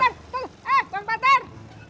eh bang patar